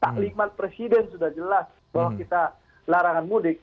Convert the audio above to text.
taklimat presiden sudah jelas bahwa kita larangan mudik